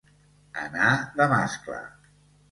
Anar de mascle.